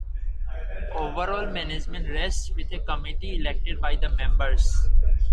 Overall management rests with a committee elected by the members.